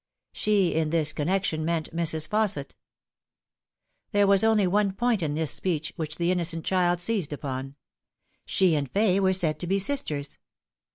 She, in this connection, meant Mrs. Fausset. There was only one point in this speech which the innocent child seized upon. She and Fay were said to be sisters.